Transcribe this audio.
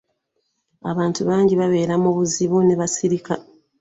Abantu bangi babeera mu bizibu ne basirika.